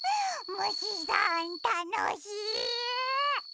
むしさんたのしい！